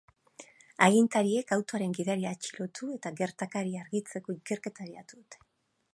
Agintariek autoaren gidaria atxilotu eta gertakaria argitzeko ikerketa abiatu dute.